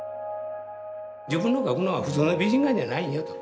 自分の描くのは普通の美人画じゃないよと。